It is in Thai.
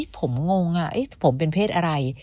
ผมงงผมเป็นเพศอะไร